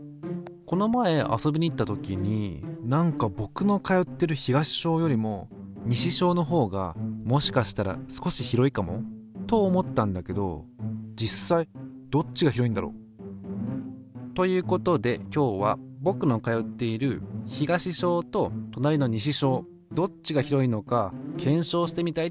この前遊びに行った時になんかぼくの通っている東小よりも西小のほうがもしかしたら少し広いかも？と思ったんだけど実際どっちが広いんだろ？ということで今日はぼくの通っている東小ととなりの西小どっちが広いのか検証してみたいと思います。